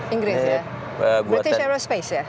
inggris ya british aerospace ya